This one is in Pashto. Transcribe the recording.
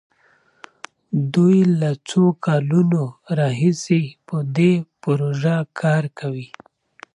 دوی له څو کلونو راهيسې په دې پروژه کار کوي.